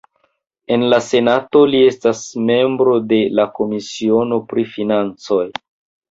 En la Senato, li estas membro de la komisiono pri financoj.